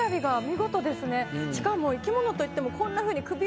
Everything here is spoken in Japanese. しかも生き物といってもこんなふうに。